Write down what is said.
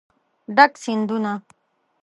ډک سیندونه